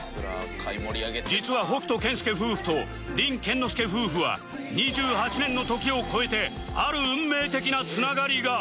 実は北斗健介夫婦と凛健之介夫婦は２８年の時を超えてある運命的な繋がりが！